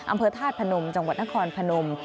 อำเภอธาตุพนมจังหวัดนครพนม